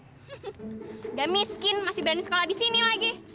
sudah miskin masih berani sekolah di sini lagi